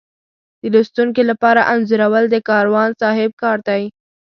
د لوستونکي لپاره انځورول د کاروان صاحب کار دی.